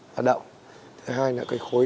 hoạt động thứ hai là cái khối